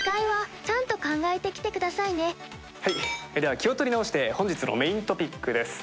気を取り直して本日のメイントピックです。